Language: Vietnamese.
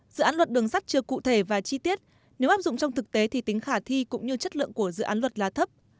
dự án luật đường sắt chưa cụ thể và chi tiết nếu áp dụng trong thực tế thì tính khả thi cũng như chất lượng của dự án luật là thấp